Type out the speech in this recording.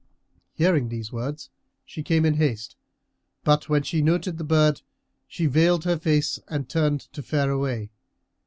Hearing these words she came in haste; but, when she noted the bird, she veiled her face and turned to fare away.